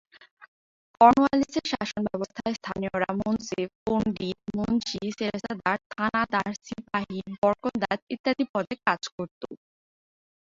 কর্নওয়ালিসের শাসনব্যবস্থায় স্থানীয়রা মুন্সেফ, পন্ডিত, মুন্সি, সেরেস্তাদার, থানাদার, সিপাহি, বরকন্দাজ ইত্যাদি পদে কাজ করত।